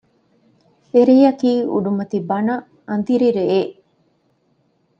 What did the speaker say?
އެ ރެޔަކީ އުޑުމަތި ބަނަ އަނދިރި ރެއެއް